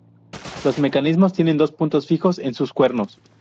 Los meniscos tienen dos puntos fijos, en sus cuernos.